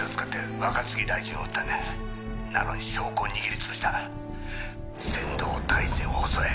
「なのに証拠を握り潰した」「千堂大善を襲え」